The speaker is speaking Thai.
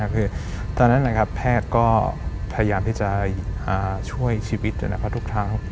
คือตอนนั้นแพทย์ก็พยายามที่จะช่วยชีวิตทุกครั้ง